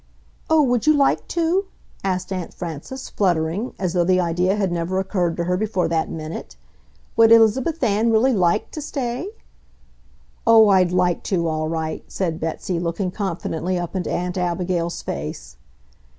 "Oh, would you like to?" asked Aunt Frances, fluttering, as though the idea had never occurred to her before that minute. "Would Elizabeth Ann really LIKE to stay?" "Oh, I'd LIKE to, all right!" said Betsy, looking confidently up into Aunt Abigail's face.